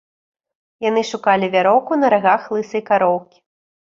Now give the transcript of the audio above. Яны шукалі вяроўку на рагах лысай кароўкі.